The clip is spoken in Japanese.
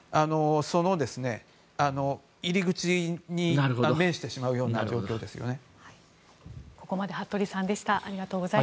その入り口に面してしまう状況ですね。